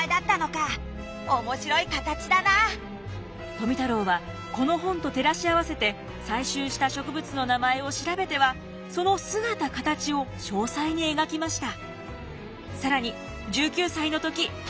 富太郎はこの本と照らし合わせて採集した植物の名前を調べてはその姿形を詳細に描きました。